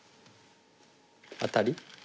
アタリ？